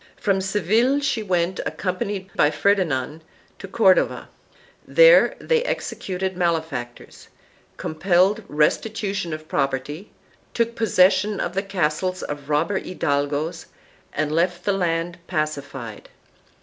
1 From Seville she went, accompanied by Ferdinand, to Cordova. There they executed malefactors, compelled restitution of property, took possession of the castles of robber hidalgos, and left the land pacified.